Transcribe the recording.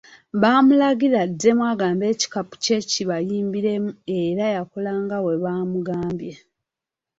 Baamulagira addemu agambe ekikapu kye kibayimbiremu era yakola nga bwe bamugambye.